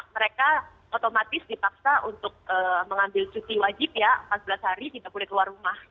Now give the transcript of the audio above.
mereka otomatis dipaksa untuk mengambil cuti wajib ya empat belas hari tidak boleh keluar rumah